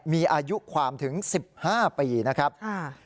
มีอายุความถึงสิบห้าปีนะครับอ่า